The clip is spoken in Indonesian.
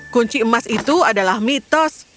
kunci emas itu adalah mitos